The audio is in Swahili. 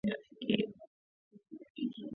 kupitia mitambo ya Sauti ya Amerika mjini Washington